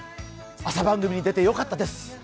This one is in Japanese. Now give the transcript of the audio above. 朝番組に出てよかったです。